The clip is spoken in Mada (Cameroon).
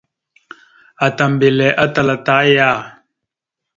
Ata mbelle atal ata aya.